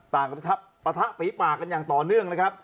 ประทับปะทะฝีปากกันอย่างต่อเนื่องนะครับ